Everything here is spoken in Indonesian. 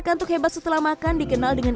kantuk hebat setelah makan dikenal dengan